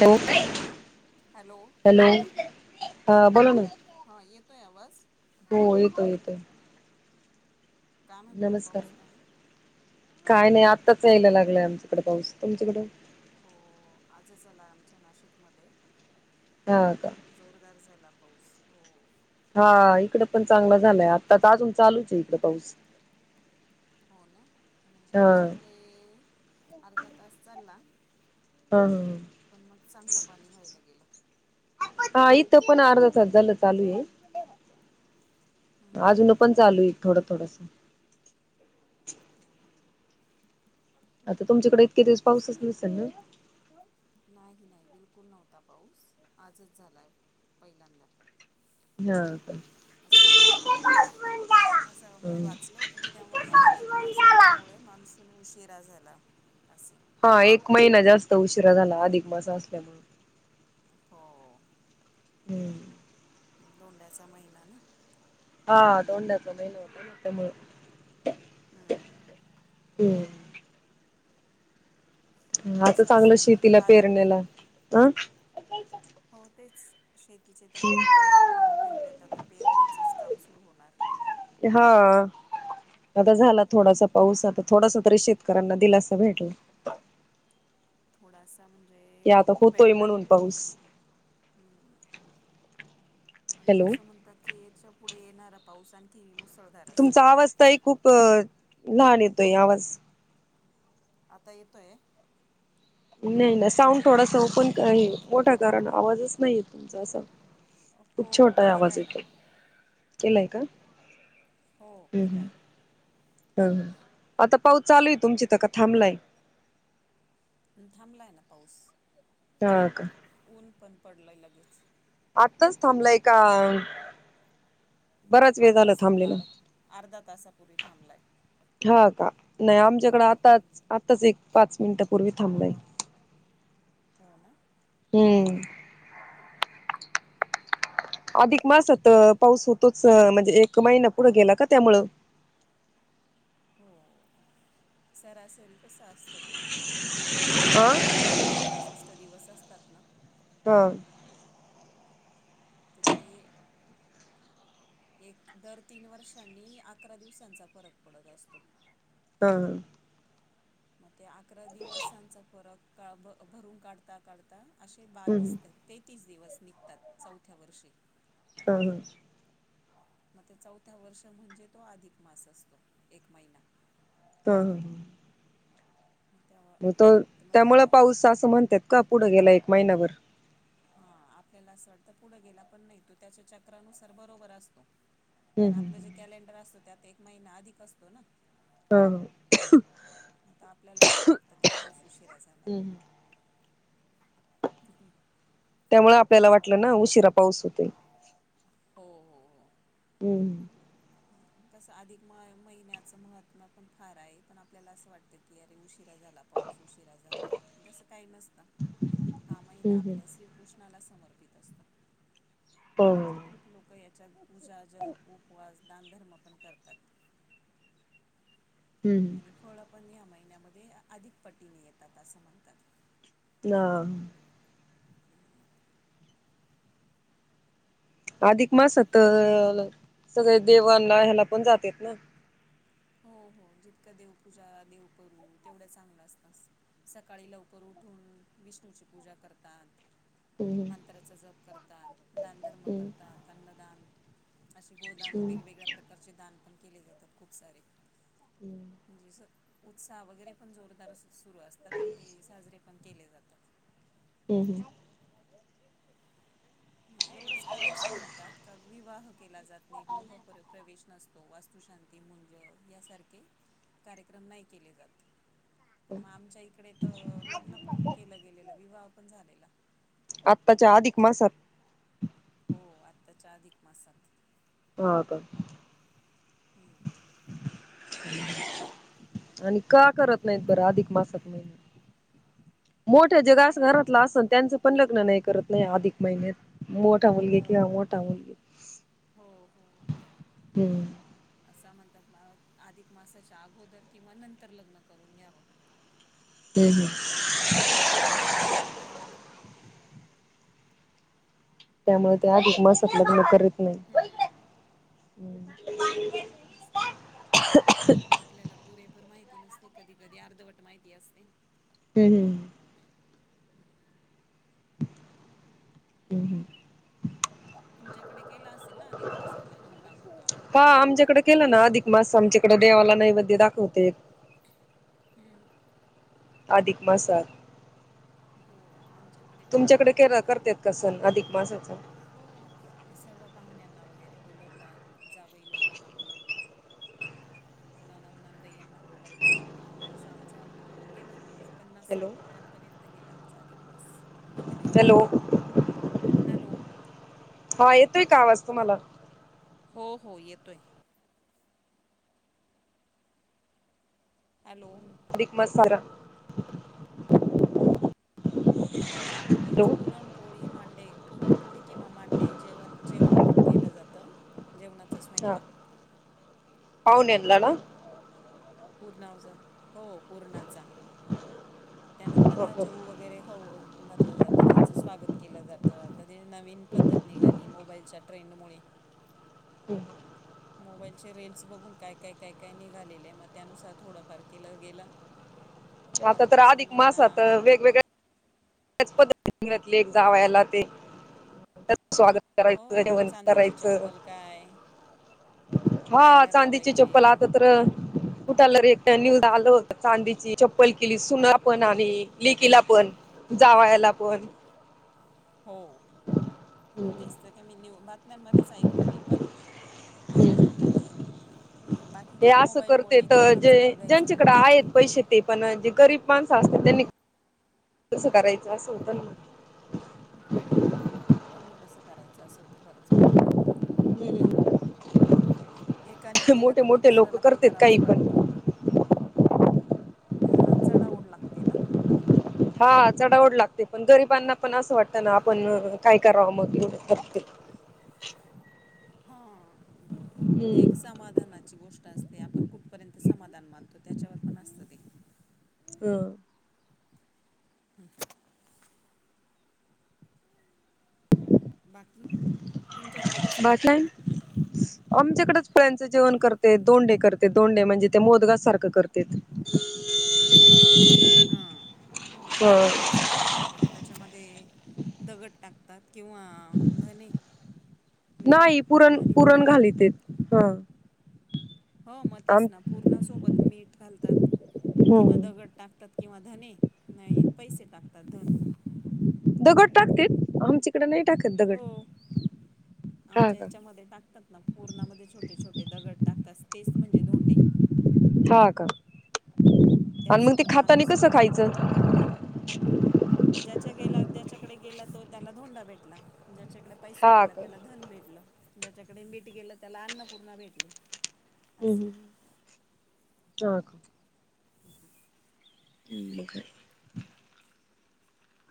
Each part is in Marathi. हॅलो हॅलो हॅलो हा बोला ना. हा येतोय आवाज. हो येतोय येतोय. काय म्हणतोय नमस्कार पाऊस पाणी.? काय नाही आत्ताच यायला लागलंय आमच्याकडे पाऊस. तुमच्याकडे. हो आजच आलाय आमच्या नाशिकमध्ये. हा का जोरदार झाला पाऊस. हा इकड पण चांगला झालांय आता. तर अजून चालूच आहे इकड पाऊस. हो ना आणि हा आमच्याकडे अर्धा तास चालला. हा हा पण मग चांगलं पाणी व्हायला गेलं हा इथं पण अर्धा तास झालं चालू आहे. हम्म, हम्म, अजून पण चालू आहे. थोड थोडास हम्म, हम्म. आता तुमच्याकडे इतके दिवस असं पाऊसच आहे. नसेल ना बिल्कुल नव्हता पाऊस आजच झालाय पहिल्यांदा असं हा असं मी वाचलं होत की त्यामध्ये. अधिक मास हम्म आल्यामुळे मान्सून उशीर जास्त झाला अस हा एक महिना जास्त उशिरा झाला. अधिक मास असल्यामुळे हो हम्म धोंड्याचा महिना आलाय. हा धोंड्याचा महिना त्याच्यामुळे हम्म आता कसं चांगलं असतं ना तर शेतीला बारा महिने पेरण्याला ह हो तेच शेतीचे वावर तयार करून ठेवलेत आता. पेरणीचेच काम सुरू होणार हा आता झाला थोडासा पाऊस. आता थोडासा तरी शेतकऱ्यांना दिलासा भेटला‌. थोडासा म्हणजे की आता भरपूर होतोय भेटला. म्हणून पाऊस आणि हॅलो असं म्हणतात की. याच्या पुढे येणारा पाऊस आणखी मोस तुमचा आवाज ताई खूप लहान येतोय आवाज आता येतोय नाही-नाही साऊंड थोडासा ओपन आहे. मोठा करा ना आवाजच नाही येतये तुमचा अस खूप हो हो छोटा आवाज केलाय ना येेतोय केलाय का? हो केलाय हा आता पाऊस चालू आहे तुमच्या इथ का थांबलाय? थांबलाय ना पाऊस हा का ऊन पण पडलाय लगेच. आत्ताच थांबलाय का? बराच वेळ झाला आत्ताच थांबलेला? थांबला अर्धा तासापूर्वी थांबलाय. हा का नाही आमच्याकडें आताच-आताच एक पाच मिनिटपूर्वी थांबलाय. हो ना‌ [unintelligible] हम्म अधिक मासात पाऊस होतोच म्हणजे एक महिना पुढे गेला का त्यामुळं? हो सरासरी तस असत ते हा वर्षाचे तीनशे पासष्ट दिवस असतात ना. हा तर ते एक दर तीन वर्षांनी अकरा दिवसांचा फरक पडत असतो. हा मग ते अकरा दिवसांचा फरक भ भरून काढता-काढता असे हम्म बावीस ते तीस दिवस निघतात चौथ्या वर्षी हा ह मग ते चौथा वर्ष म्हणजे तो अधिक मास असतो एक महिना हा. हा. मग त तर मग त्या त्यामुळं पाऊस असं म्हणत्यात का. पुढं गेला एक महिनाभर. हा आपल्याला असं वाटतं पुढं गेला. पण नाही तो त्याच्या चक्रानुसार बरोबर असतो. हम्म पण हम्म आपलं जे कॅलेंडर असतो त्यात एक महिना अधिक असतो ना. ह. आता आपल्याला असं वाटतं की पाऊस उशिरा झाला. हा हम्म. हम्म [unintelligible] त्यामुळे आपल्याला वाटलं ना उशिरा पाऊस होतोय? हो हम्म. तस अधिक म महिन्याच महत्त्व पण फार आहे. पण आपल्याला असं वाटतं की अरे उशी उशीरा झाला. पाऊस उशीरा झाला. तस काही नसत. हा महिना हम्म आपल्या श्रीकृष्ण ला समर्पित असतो. हो म्हणजे खूप लोक याच्या पूजा जप. उपवास. दानधर्म पण करतात. हम्म आणि फळ पण या महिन्यामध्ये अधिक पटीने येतात. असं म्हणतात. म [unintelligible] अधिक मास तर सगळे देवांला ह्याला पण जातेत ना.? हो. हो. जितक देवपूजा देव करू तेवढ्या चांगल असत. सकाळी लवकर उठून. विष्णूची पूजा करतात. हम्म मंत्राचा जप करतात. दानधर्म हम्म करतात. अन्नदान. असे गोदान हम्म वेगवेगळ्या प्रकारचे दान पण केले जातात. खूप सारे हम्म म्हणजे. उत्साह वगैरे पण जोरदार सुरू असतात. आणि ते साजरे पण केले जातात. हम् हम. एवढंच का असं म्हणतात. का विवाह केला जात नाही गृह प्रवेश नसतो. वास्तुशांती मुंज यासारखे कार्यक्रम नाही केले जात. पण मग आमच्या इकडे तर लग्न पण केलं गेलेलं विवाह पण झालेला. आत्ताच्या आधिक मासात. हो आत्ताच्या अधिक मासात. हा. का. आणि का करत नाहीत बरं? अधिक मासात महिन मोठ्या जे काय रास आता घरातलं असल. त्यांचं पण लग्न नाही करत नाही. अधिक महिन्यात. मोठा मुलगा हो किंवा हो मोठी मुलगी हो हो हम्. असा म्हणतात अधिक मासाच्या अगोदर किंवा नंतर लग्न करून घ्यावं. हम. हम्म. त्यामुळे ते आधिक मासत लग्न करीत नाही. हम्म आपल्याला पुरे. माहिती नसते कधी-कधी अर्धवट माहिती असते. हम्म हम्. हम् हम. तुमच्याकडे केला असेल ना. अधिक मासातला धोंडा म्हणतो आपण त्याला. इकड देवाला नैवद्य दाखवते. आधिक मासात. हो आमच्याकडे पण मग तुमच्याकडे के चालत नाही करतेत का सण अधिक मासाचा हो सर्व. पाहुण्यांना वगैरे बोलवतात, जावई लोकांना बोलवतात. ननंद नांदयांना बोलवतात. म्हणजे असं आमच गेलं पन्नास हॅलो साठ लोकांपर्यंत. गेला आमचा अधिक मास. हॅलो. हॅलो. हा येतोय का आवाज तुम्हाला? हो हो येतोय. हॅलो. अधिक मास सारा. आमच्याकडे तेच हॅलो पुरणपोळी मांडे. पुरणपोळी किंवा मांडे. जेवण. जेवण केलं जातं, जेवणाचा स्वयंपाक पाव्हण्यांला ना? पूर्णावजा, हो पुराणाचा. त्यानंतर हो ना हो. जेव वगैरे खाऊ घातलं जातं त्यांचं स्वागत केलं जातं, आता ते नवीन पद्धत निघाली मोबाईलच्या ट्रेंडमुळे. मोबाईलचे रील्स बघून काय काय काय काय निघालेले आहे मग त्यानुसार थोडंफार केलं गेलं. [unintelligible] आता तर अधिक पाहुण्यांना मासात वेगवेगळ्या [unintelligible] पद्धतीतले एक जावयाला ते स्वागत करायचं, हो जेवण चांदीची करायचं. चप्पल काय हा बॅनर चांदीची लावायचे चप्पल आता तर अ कुठला एक तर न्यूज आलं होतं, चांदीची चप्पल केली सुना पण आणि लिकिला पण. जावायाला पण. हो, तेच तर का मी न्यू बातम्यांमध्येच ऐकलं मी पण. हे बाकी हे काय असं करते मोबाईलमुळे तर एकमेकांचं जे, बघायचं आणि ज्यांच्याकडे त- आहेत पैसे ते पण जे गरीब माणसं असते त्यांनी कसं करायचं असं होतं ना. हम्म, त्यांनी कसं करायचं असं होतं खरंच बरोबर हाय. ना एकानी केलं मोठे का मग मोठे लोक दुसऱ्याला पण करतेत काही करावस‌ं पण वाटतं. हा चढा ओढ लागते ना. हा चढा वड लागते, पण गरिबांना पण असं वाटतं ना आ पण काय करावं मग एवढं [unintelligible] हा, ते हम्म एक समाधानाची गोष्ट असते आपण कुठपर्यंत समाधान मानतो. त्याच्यावर पण असतं ते. हम्म. हम्म [unintelligible] बाकी तुमच्याकडे कसं करतात? काहींच जेवण करते. तोंडे करते. तोंडे म्हणजे ते मोदगा सारखं करतेत. ह [unintelligible] हा दोन मोदका ह सारखं करतात. त्याच्यामध्ये दगड टाकतात. किंवा धने. मीठ. नाही पुरण आणि पुरण. घालीतेत हा हो म तेच आम ना पूर्णा सोबत मीठ घालतात. किंवा हम्म दगड टाकतात. किंवा धने नाही पैसे टाकतात. धन. दगड टाकतेत आमचीकडे नाही टाकत दगड. हो हा आमच्या का याच्यामध्ये टाकतात ना. पूर्णामध्ये छोटे-छोटे दगड टाकतात तेच म्हणजे धोंडे. हा का आणि मग त्याचा ते तर मान खातानी असतो कसं खायचं. अच् [unintelligible] ज्याच्या गेला. ज्याच्याकडे गेला तो. त्याला धोंडा भेटला. ज्याच्याकडे पैसा हा गेला. का त्याला धन भेटलं. ज्याच्याकडे मीट गेलं त्याला अन्नपूर्णा भेटली. असं हम् ह हा. हम्.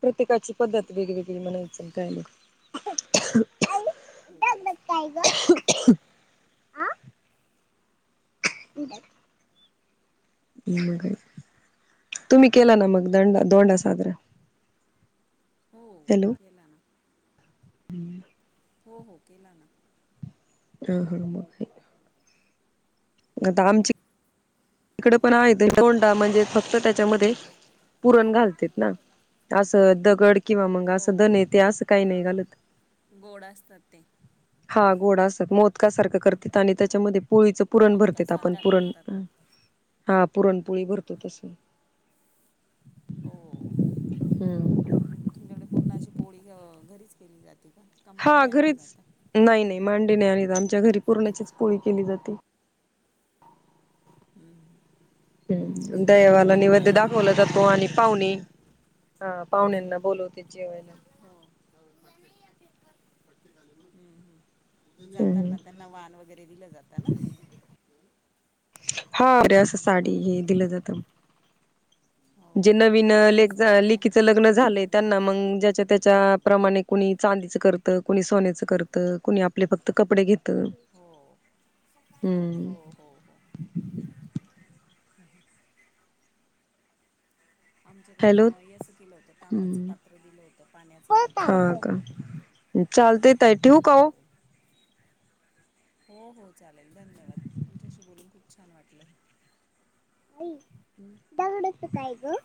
प्रत्येकाची पद्धत वेगवेेगळी म्हनायच काहीं लोक काय बघताय ग. आ. मग तुम्ही केला ना मग दंड दोंडा साजरा. हो हॅलो. केला ना हम्. [unintelligible] हो हो केला ना. अ ह. म काय. आता आमची. इकडे पण आहेत. पण तोंडा म्हणजे. फक्त त्याच्यामध्ये पुरण घालतेत ना. असं दगड किंवा मंग हो असं हो धन ते असं काही नाही हां हां घालत. हा [unintelligible] गोड असतात. मोदका सारख करत्यात. आणि त्याच्यामध्ये पोळीच पुरण भरतात. आपण मोदकासारखा पुरण करतात हा पुरणपोळी भरतो तस. हो हम्म तुमच्याकडे पूर्णाची पोळी घरीच केली जाते. का का हा मांडे आणले घरीच जातात नाही-नाही मांडी नाही. आणि आमच्या घरी पुरणाचीच पोळी केली जाते. हम्म. ह दयावाला नैवेद्य आमच्याकडे दाखवला मांडे जातो. आणि आणलेले होते पाहुणी. आम्ही हा पाहुण्यांना बोलवते जेवायला. हो [unintelligible] हम्म जाताना त्यांना वान वगैरे दिलं जात ना. हा अरे असं साडी आम्ही हे दिलं जातं. हो जे नवीन ले आम्ही साडी आणि लेखीच लग्न कपडे झालंय आणि त्यांना मग ज्याच्या-त्याच्या. प्रमाणे कुणी चांदीच करत. कुणी सोनेचं करतं. कुणी आपले फक्त कपडे घेत. हो हम. हो हो हो आमच्याकडे हॅलो जावयाचं केलं होतं तांब्याच हम्म पात्र दिलं होतं. पाण्याचं प्यायच चालतय ताई ठेवू का हो? हो-हो चालेल धन्यवाद तुमच्याशी बोलून खूप छान वाटलं. आई! हम्म, दगडाचं काय गं?